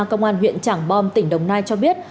công an huyện trảng bom tỉnh đồng nai cho biết